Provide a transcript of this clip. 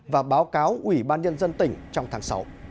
và báo cáo ubnd tỉnh trong tháng sáu